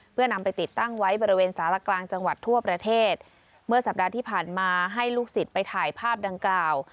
เพื่อนำไปติดตั้งไว้บริเวณสารกลางจังหวัดทั่วประเทศเมื่อสัปดาห์ที่ผ่านมาให้ลูกศิษย์ไปถ่ายภาพดังกล่าว